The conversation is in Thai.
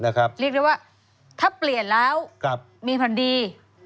เรียกได้ว่าถ้าเปลี่ยนแล้วมีผลดี